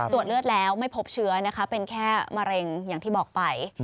ตรวจเลือดแล้วไม่พบเชื้อนะคะเป็นแค่มะเร็งอย่างที่บอกไป